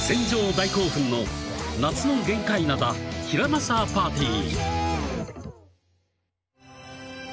大興奮の夏の玄界灘ヒラマサパーティー